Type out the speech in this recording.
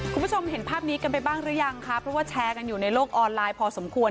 คุณผู้ชมเห็นภาพนี้กันไปบ้างหรือยังคะเพราะว่าแชร์กันอยู่ในโลกออนไลน์พอสมควร